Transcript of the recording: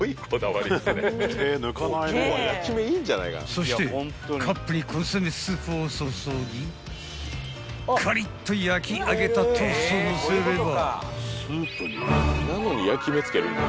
［そしてカップにコンソメスープを注ぎカリッと焼き上げたトーストをのせれば］